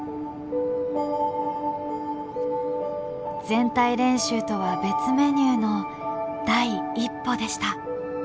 全体練習とは別メニューの第一歩でした。